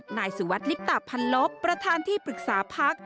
นายสุวัสดิลิปตะพันลบประธานที่ปรึกษาพัก